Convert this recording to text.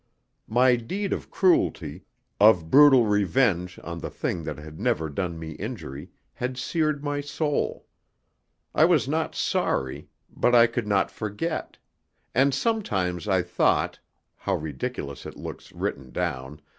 My deed of cruelty, of brutal revenge on the thing that had never done me injury, had seared my soul. I was not sorry, but t could not forget; and sometimes I thought how ridiculous it looks written down!